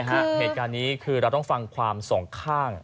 เหตุการณ์นี้คือเราต้องฟังความสองข้าง